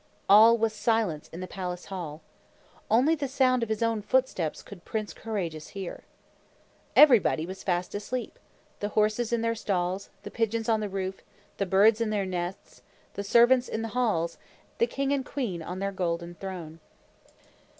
All was silence in the palace hall. Only the sound of his own footsteps could Prince Courageous hear. Everybody was fast asleep the horses in their stalls, the pigeons on the roof, the birds in their nests, the servants in the halls, the king and queen on their golden throne.